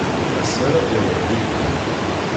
Ass-a ara d-yaweḍ Yidir.